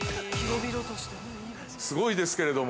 ◆すごいですけれども。